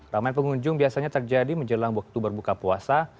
ramai pengunjung biasanya terjadi menjelang waktu berbuka puasa